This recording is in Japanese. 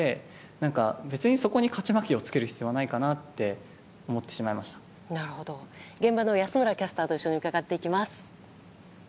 別にそこに勝ち負けをつける必要はないかなと現場の安村キャスターと一緒に伺っていきます。